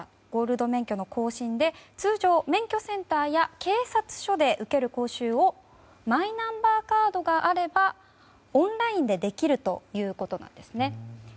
ゴールド免許の更新で通常、免許センターや警察署で受ける講習をマイナンバーカードがあればオンラインでできるということです。